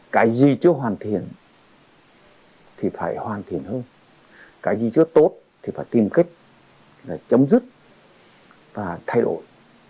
cái gì chưa hoàn thiện thì phải hoàn thiện hơn cái gì chưa tốt thì phải tìm cách chấm dứt và thay đổi